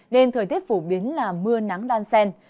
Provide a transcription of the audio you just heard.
nên thời tiết phổ biến là mưa nắng đan sen